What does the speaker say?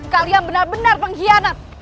kalian benar benar pengkhianat